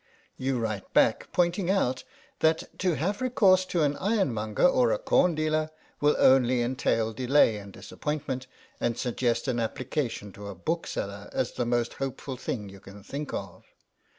You write back pointing out that to have recourse to an ironmonger or a corn dealer will only entail delay and disappointment, and suggest an application to a bookseller as the most hopeful thing you can think of.